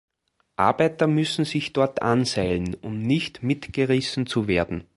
Arbeiter müssen sich dort anseilen, um nicht mitgerissen zu werden.